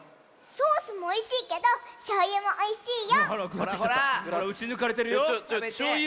ソースもおいしいけどしょうゆもおいしいよ！